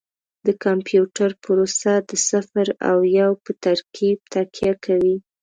د کمپیوټر پروسه د صفر او یو په ترکیب تکیه کوي.